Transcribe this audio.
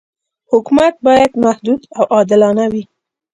حکومت باید محدود او عادلانه وي.